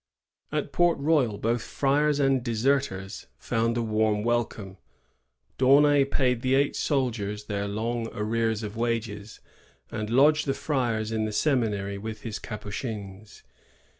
At Port Royal both friars and deserters found s warm welcome. D'Aunay paid the eight soldiers their long arrears of wages, and lodged the friars in the seminary with his Capuchins.